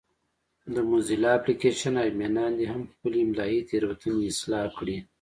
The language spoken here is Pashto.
د موزیلا اپلېکشن اډمینان دې هم خپلې املایي تېروتنې اصلاح کړي.